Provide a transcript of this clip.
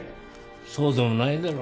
そうでもないだろ。